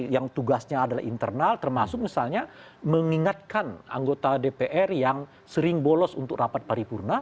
yang tugasnya adalah internal termasuk misalnya mengingatkan anggota dpr yang sering bolos untuk rapat paripurna